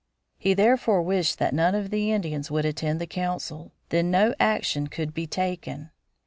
He therefore wished that none of the Indians would attend the council. Then no action could be taken.